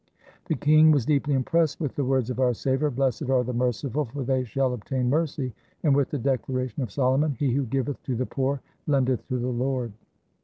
The king was deeply impressed with the words of our Saviour, "Blessed are the merciful, for they shall obtain mercy," and with the declaration of Solo mon, "He who giveth to the poor lendeth to the Lord."